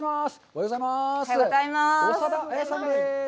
おはようございます。